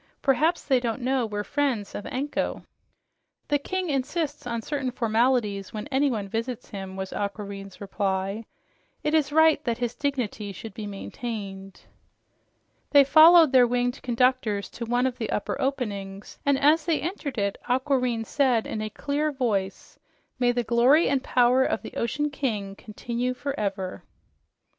Perhaps they don't know we're friends of Anko." "The king insists on certain formalities when anyone visits him," was Aquareine's reply. "It is right that his dignity should be maintained." They followed their winged conductors to one of the upper openings, and as they entered it Aquareine said in a clear voice, "May the glory and power of the ocean king continue forever!"